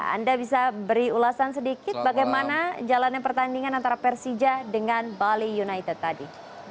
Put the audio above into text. anda bisa beri ulasan sedikit bagaimana jalannya pertandingan antara persija dengan bali united tadi